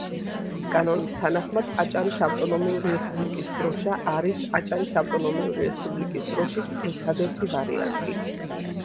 კანონის თანახმად, აჭარის ავტონომიური რესპუბლიკის დროშა არის აჭარის ავტონომიური რესპუბლიკის დროშის ერთადერთი ვარიანტი.